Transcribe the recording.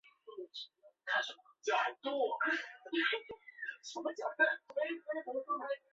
圣约尔因出产矿泉水而闻名。